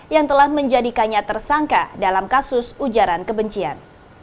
yang telah menjadikannya tersangka dalam kasus ujaran kebencian